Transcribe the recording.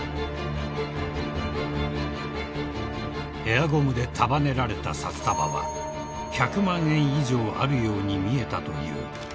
［ヘアゴムで束ねられた札束は１００万円以上あるように見えたという］